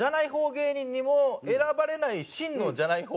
芸人にも選ばれない真のじゃない方